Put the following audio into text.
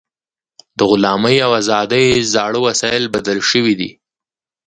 د غلامۍ او ازادۍ زاړه وسایل بدل شوي دي.